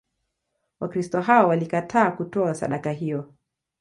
Wakristo hao walikataa kutoa sadaka hiyo.